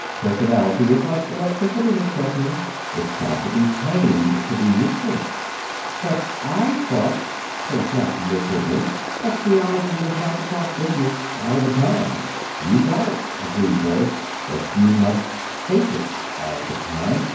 Personality is like electricity, McChesney. It's got to be tamed to be useful." "But I thought," said Jock, miserably, "that the idea was not to talk business all the time." "You've got it," agreed Berg. "But you must think it all the time.